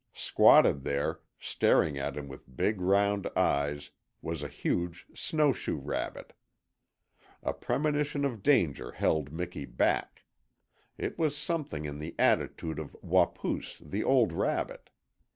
Squatted there, staring at him with big round eyes, was a huge snowshoe rabbit. A premonition of danger held Miki back. It was something in the attitude of Wapoos, the old rabbit.